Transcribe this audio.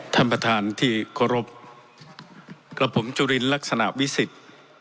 ท่านประธานที่เคารพกับผมจุลินลักษณะวิสิทธิ์